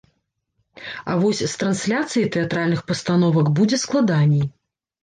А вось з трансляцыяй тэатральных пастановак будзе складаней.